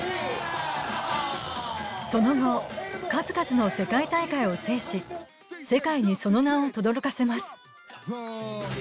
その後、数々の世界大会を制し世界にその名をとどろかせます。